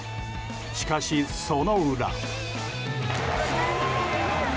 しかし、その裏。